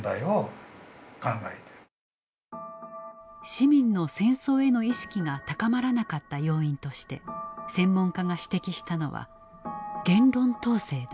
市民の戦争への意識が高まらなかった要因として専門家が指摘したのは言論統制だ。